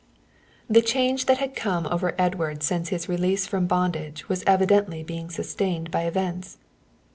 The change that had come over Edward since his release from bondage was evidently being sustained by events.